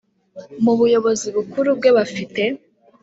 mu buyobozi bukuru bwe bafite